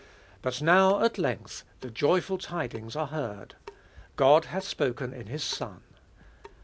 But now at length the joyful tidings are heard — God hath spoken in His Son